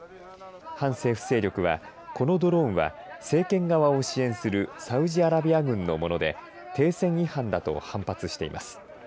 反政府勢力は、このドローンは政権側を支援するサウジアラビア軍のもので停戦違反だと反発しています。